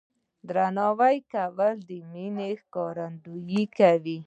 درناوی کول د مینې ښکارندویي کوي.